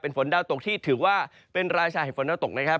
ฝนดาวตกที่ถือว่าเป็นรายชายฝนดาวตกนะครับ